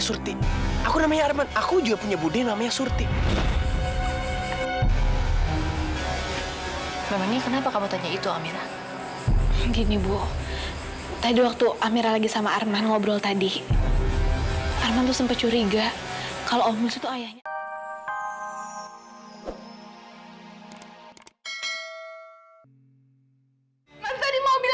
sampai jumpa di video selanjutnya